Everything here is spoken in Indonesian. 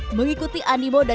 dan juga membuatnya lebih besar